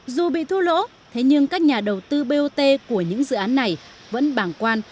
dù bị thua lỗ thế nhưng các nhà đầu tư bot của những dự án này vẫn bảng quan